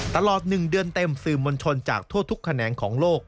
ตลอด๑เดือนเต็มสื่อมวลชนจากทั่วทุกแขนงของโลก